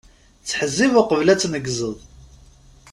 Ttḥezzib uqbel ad tneggzeḍ.